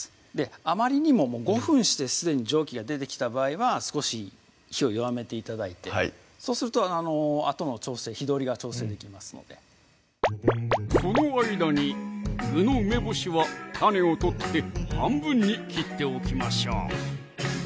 あまりにも５分してすでに蒸気が出てきた場合は少し火を弱めて頂いてはいそうするとあとの調整火通りが調整できますのでその間に具の梅干しは種を取って半分に切っておきましょう